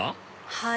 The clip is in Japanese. はい。